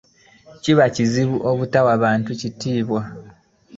Kiba kizibu obutawa bantu kitiibwa.